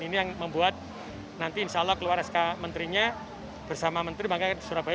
ini yang membuat nanti insyaallah keluar sk menterinya bersama menteri makanya surabaya